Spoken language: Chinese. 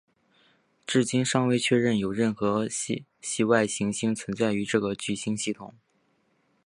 至今尚未确认有任何系外行星存在于这个聚星系统。